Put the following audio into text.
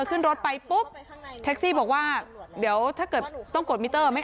ขึ้นรถไปปุ๊บแท็กซี่บอกว่าเดี๋ยวถ้าเกิดต้องกดมิเตอร์ไม่